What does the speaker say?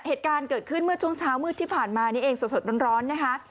เหตุการณ์เกิดขึ้นเมื่อช่วงเช้ามืดที่ผ่านมานี่เองสดร้อนนะคะ